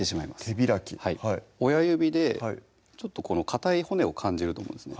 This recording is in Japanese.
手開き親指でちょっとこのかたい骨を感じると思うんですね